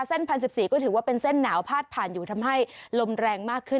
๑๐๑๔ก็ถือว่าเป็นเส้นหนาวพาดผ่านอยู่ทำให้ลมแรงมากขึ้น